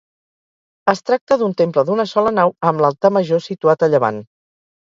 Es tracta d'un temple d'una sola nau, amb l'altar major situat a llevant.